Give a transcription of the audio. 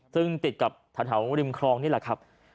ซึ่งติดกับแถวริมคลองนี่แหละครับ